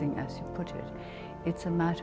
ini masalah orang di sisi berbeda